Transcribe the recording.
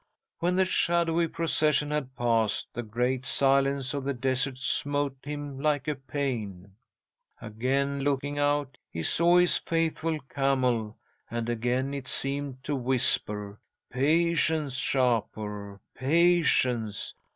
When the shadowy procession had passed, the great silence of the desert smote him like a pain. "'Again looking out, he saw his faithful camel, and again it seemed to whisper: "Patience, Shapur, patience!